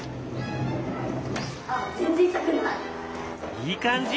いい感じ。